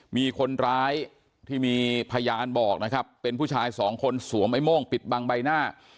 มีคนร้ายที่มีพยานบอกนะครับเป็นผู้ชายสองคนสวมไอ้โม่งปิดบังใบหน้า